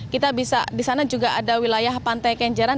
kita bisa di sana juga ada wilayah pantai kenjeran